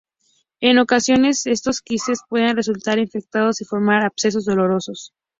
En ocasiones, estos quistes pueden resultar infectados y formar abscesos dolorosos.